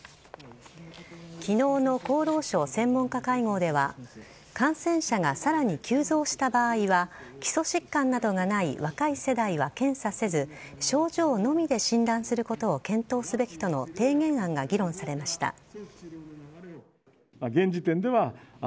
昨日の厚労省専門家会合では感染者がさらに急増した場合は基礎疾患などがない若い世代は検査せず症状のみで診断することを検討すべきとの提言案が議論されました。